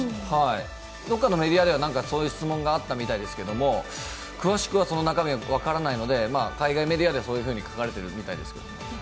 どっかのメディアではそういう質問があったみたいですけど、詳しくは中身は分からないので海外メディアではそういうふうに書かれてるみたいですけど。